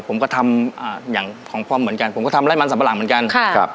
ผมก็ทำอย่างของพ่อเหมือนกันผมก็ทำไร่มันสัมปะหลังเหมือนกัน